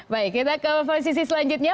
baik kita ke posisi selanjutnya